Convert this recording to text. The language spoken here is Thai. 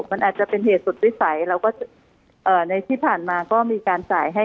มันอาจจะเป็นเหตุสุดวิสัยเราก็เอ่อในที่ผ่านมาก็มีการจ่ายให้